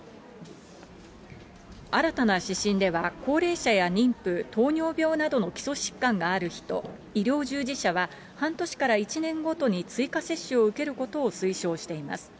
新たな指針では、高齢者や妊婦、糖尿病などの基礎疾患がある人、医療従事者は、半年から１年ごとに追加接種を受けることを推奨しています。